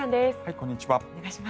こんにちは。